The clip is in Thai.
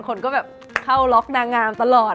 คนก็แบบเข้าล็อกนางงามตลอด